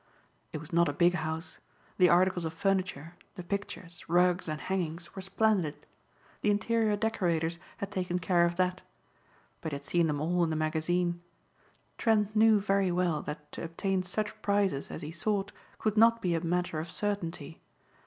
It was not a big house. The articles of furniture, the pictures, rugs and hangings were splendid. The interior decorators had taken care of that. But he had seen them all in the magazine. Trent knew very well that to obtain such prizes as he sought could not be a matter of certainty.